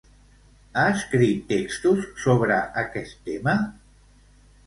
Ha escrit textos sobre aquest tema?